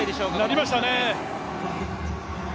なりましたね。